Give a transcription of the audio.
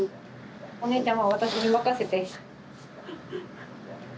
お姉ちゃんは私に任せて。